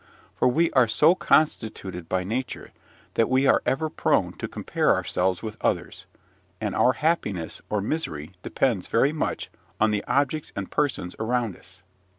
For we are so constituted by nature, that we are ever prone to compare ourselves with others; and our happiness or misery depends very much on the objects and persons around us.